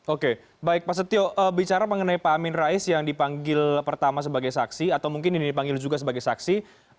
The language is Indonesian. oke baik pak setio bicara mengenai pak amin rais yang dipanggil pertama sebagai saksi atau mungkin ini dipanggil juga sebagai saksi